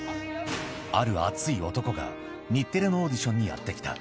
ある熱い男が、日テレのオーディションにやって来た。